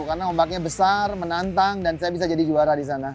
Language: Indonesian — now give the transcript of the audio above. karena ombaknya besar menantang dan saya bisa jadi juara di sana